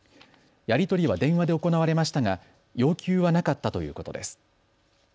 やり取りは電話で行われましたが要求はなかったということです。